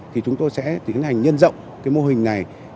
thì chúng tôi sẽ tiến hành nhân rộng cái mô hình này